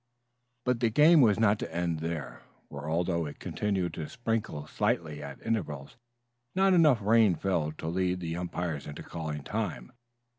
But the game was not to end there, for, although it continued to sprinkle slightly at intervals, not enough rain fell to lead the umpire into calling time.